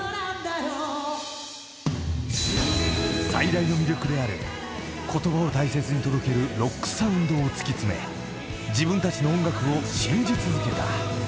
［最大の魅力である言葉を大切に届けるロックサウンドを突き詰め自分たちの音楽を信じ続けた］